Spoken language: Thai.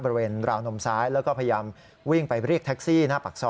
บริเวณราวนมซ้ายแล้วก็พยายามวิ่งไปเรียกแท็กซี่นะครับ